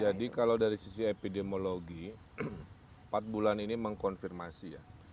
jadi kalau dari sisi epidemiologi empat bulan ini mengkonfirmasi ya